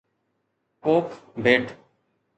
ڪوڪ ڀيٽ